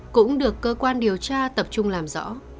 cũng được cơ quan điều tra tập trung làm rõ